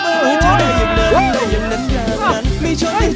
แป๊บหนึ่งหัวหน้าติ้นตามผมนิวสิค